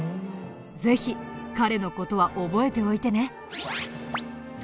ぜひ彼の事は覚えておいてね。